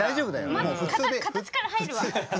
まず形から入るわ。